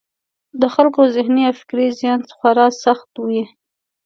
د خلکو ذهني او فکري زیان خورا سخت وي.